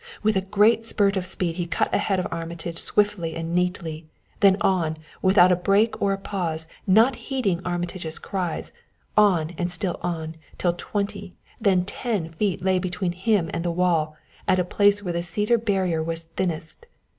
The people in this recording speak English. With a great spurt of speed he cut in ahead of Armitage swiftly and neatly; then on, without a break or a pause not heeding Armitage's cries on and still on, till twenty, then ten feet lay between him and the wall, at a place where the cedar barrier was thinnest.